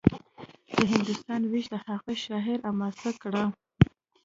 د هندوستان وېش د هغه شاعري حماسي کړه